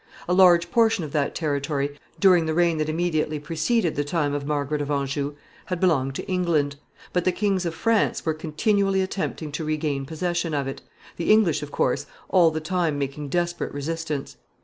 A large portion of that territory, during the reigns that immediately preceded the time of Margaret of Anjou, had belonged to England. But the kings of France were continually attempting to regain possession of it the English, of course, all the time making desperate resistance.